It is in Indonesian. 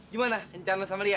gimana kencan lo samali ya